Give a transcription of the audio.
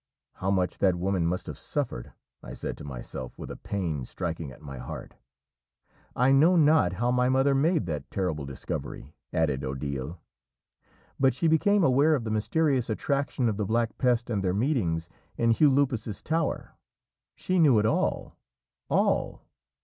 "How much that woman must have suffered!" I said to myself with a pain striking at my heart. "I know not how my mother made that terrible discovery," added Odile, "but she became aware of the mysterious attraction of the Black Pest and their meetings in Hugh Lupus's tower; she knew it all all!